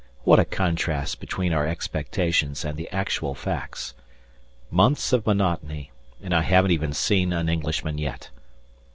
What a contrast between our expectations and the actual facts. Months of monotony, and I haven't even seen an Englishman yet.